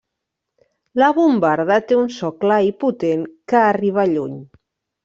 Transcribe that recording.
La bombarda té un so clar i potent, que arriba lluny.